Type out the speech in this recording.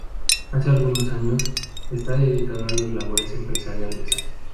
Desde hace algunos años está dedicado a labores empresariales.